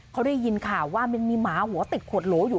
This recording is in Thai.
เขาได้ยินข่าวว่ามันมีหมาหัวติดขวดโหลอยู่